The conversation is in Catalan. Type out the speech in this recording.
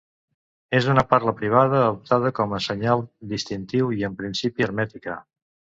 És una parla privada adoptada com a senyal distintiu i en principi hermètica.